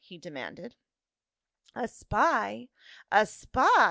he demanded. " A spy, a spy